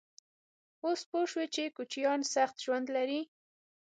_اوس پوه شوې چې کوچيان سخت ژوند لري؟